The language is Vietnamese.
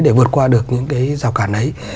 để vượt qua được những cái rào cản ấy